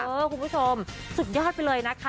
คุณผู้ชมสุดยอดไปเลยนะคะ